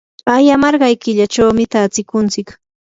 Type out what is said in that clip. ayamarqay killachawmi tatsikuntsik.